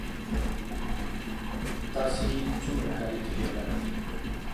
تاسو څومره کاري تجربه لرئ